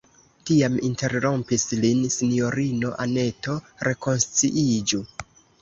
Tiam interrompis lin sinjorino Anneto: rekonsciiĝu!